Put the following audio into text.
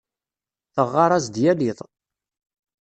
Teɣɣar-as-d yal iḍ.